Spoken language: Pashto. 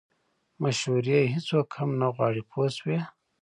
مشورې هیڅوک هم نه غواړي پوه شوې!.